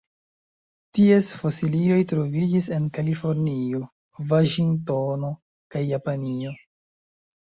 Ties fosilioj troviĝis en Kalifornio, Vaŝingtono kaj Japanio.